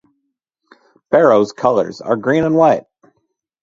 Beroes colours are green and white.